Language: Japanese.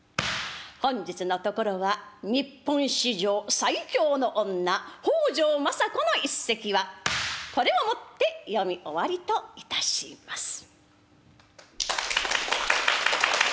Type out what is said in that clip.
本日のところは日本史上最強の女「北条政子」の一席はこれをもって読み終わりといたします。